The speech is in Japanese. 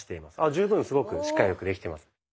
十分すごくしっかりよくできてます。